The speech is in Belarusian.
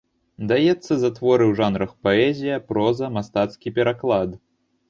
Даецца за творы ў жанрах паэзія, проза, мастацкі пераклад.